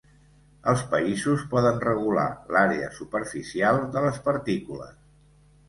Els països poden regular l'àrea superficial de les partícules.